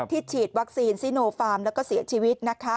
ที่ฉีดวัคซีนซีโนไฟร์มและเสียชีวิต